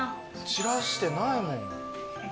散らしてないもん。